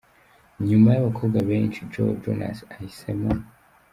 Nyuma y'abakobwa benshi, Joe Jonas ahisemo.